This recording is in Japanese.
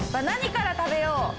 何から食べよう？